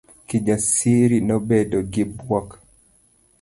Kijasiri nobedo gi buok.